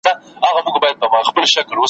تکه سپینه لکه بته جګه غاړه `